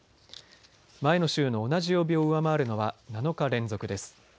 前の週の同じ曜日を上回るのは７日連続です。